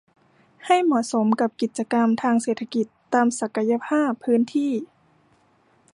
ให้เหมาะสมกับกิจกรรมทางเศรษฐกิจตามศักยภาพพื้นที่